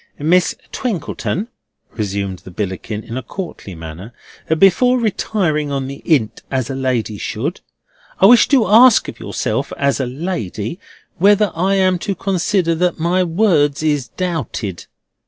"Miss Twinkleton," resumed the Billickin, in a courtly manner, "before retiring on the 'int, as a lady should, I wish to ask of yourself, as a lady, whether I am to consider that my words is doubted?"